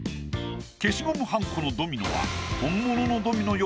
消しゴムはんこのドミノは。